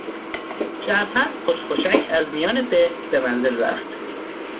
جعفر خوشخوشک از میان ده به منزل رفت.